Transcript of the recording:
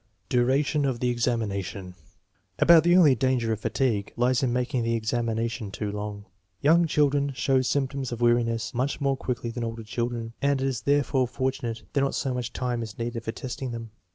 Duration of the examination. About the only danger of fatigue lies in making the examination too long. Young children show symptoms of weariness much more quickly than older children, and it is therefore fortunate that not so much time is needed for testing them.